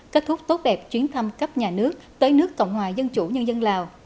kết thúc tốt đẹp chuyến thăm cấp nhà nước tới nước cộng hòa dân chủ nhân dân lào